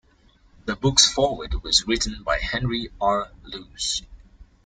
The book's foreword was written by Henry R. Luce.